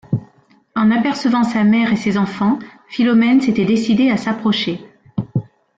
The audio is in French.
En apercevant sa mère et ses enfants, Philomène s’était décidée à s’approcher.